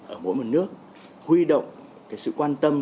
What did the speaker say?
ở mỗi một nước huy động cái sự quan tâm